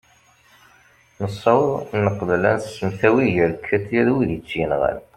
nessaweḍ neqbel ad nsemtawi gar katia d wid i tt-yenɣan